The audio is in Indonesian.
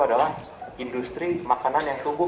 adalah industri makanan yang tumbuh